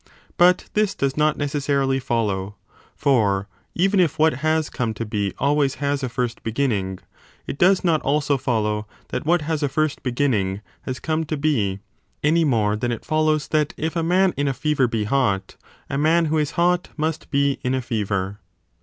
But this does not necessarily follow : for even if what has come to be always has a first beginning, it does not also follow that what has a first beginning has come to be ; any more than it follows that if a man in a fever be hot, a man who is hot must be in a fever.